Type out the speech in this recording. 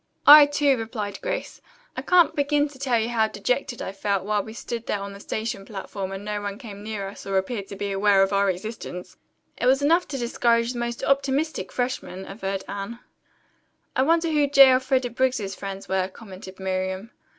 "I, too," replied Grace. "I can't begin to tell you how dejected I felt while we stood there on the station platform and no one came near us or appeared to be aware of our existence." "It was enough to discourage the most optimistic freshman," averred Anne. "I wonder who J. Elfreda Briggs's friends were," commented Miriam.